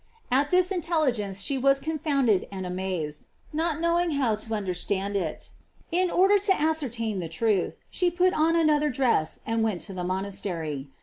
At this intelligence she was confounded and amazed, not knowing how to understand it. In order to ascertain the truth, she put on another dress and went to the monastery.